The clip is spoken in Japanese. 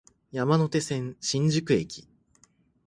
山手線、新宿駅